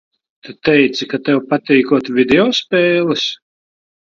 Tu teici, ka tev patīkot video spēles?